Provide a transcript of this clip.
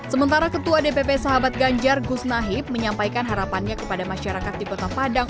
sementara ketua dpp sahabat ganjar gus nahib menyampaikan harapannya kepada masyarakat di kota padang